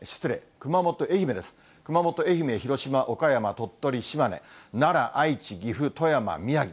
熊本、愛媛、広島、岡山、鳥取、島根、奈良、愛知、岐阜、富山、宮城。